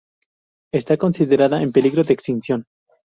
Está considerada en peligro de extinción.